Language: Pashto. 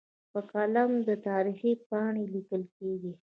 په قلم د تاریخ پاڼې لیکل کېږي.